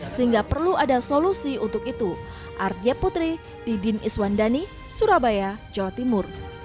sehingga perlu ada solusi untuk itu